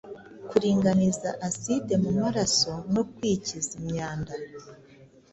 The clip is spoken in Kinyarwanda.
kuringaniza aside mu maraso no kwikiza imyanda